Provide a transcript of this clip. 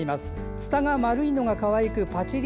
つたが丸いのがかわいく、パチリ。